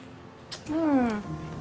jangan berpikiran negatif